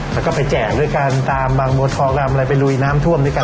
แล้วก็ไปแจกด้วยกันตามบางบัวทองอะไรไปลุยน้ำท่วมด้วยกัน